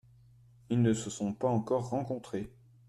Ils ne se sont pas encore rencontrés.